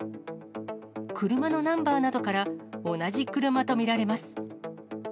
車のナンバーなどから、同じ車と見られます。